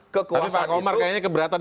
kekuasaan itu tapi pak komar kayaknya keberatan